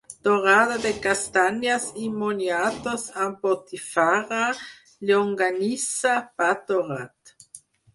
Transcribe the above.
Torrada de castanyes i moniatos amb botifarra, llonganissa, pa torrat...